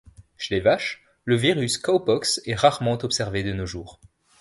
Chez les vaches, le virus Cowpox est rarement observé de nos jours.